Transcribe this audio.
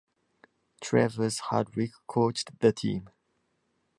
Travers Hardwick coached the team.